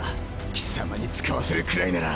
貴様に使わせるくらいなら。